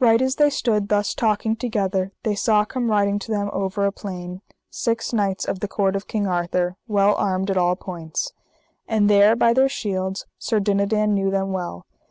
Right as they stood thus talking together they saw come riding to them over a plain six knights of the court of King Arthur, well armed at all points. And there by their shields Sir Dinadan knew them well.